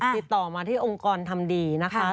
ติดต่อมาที่องค์กรทำดีนะคะ